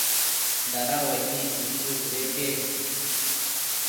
dada uaic nid ushë budeque